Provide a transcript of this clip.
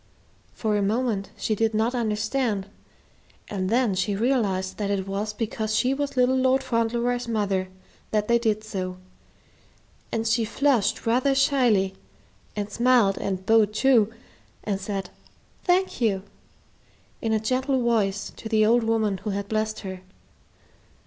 For a moment she did not understand, and then she realized that it was because she was little Lord Fauntleroy's mother that they did so, and she flushed rather shyly and smiled and bowed too, and said, "Thank you," in a gentle voice to the old woman who had blessed her.